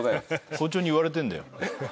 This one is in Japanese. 「校長に言われてんだよ」